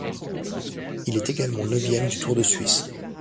Il est également neuvième du Tour de Suisse.